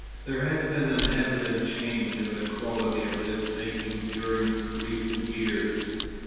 There has been an evident change in the quality of this making during recent years.